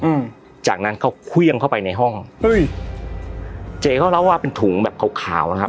อืมจากนั้นเขาเครื่องเข้าไปในห้องเฮ้ยเจ๊เขาเล่าว่าเป็นถุงแบบขาวขาวนะครับ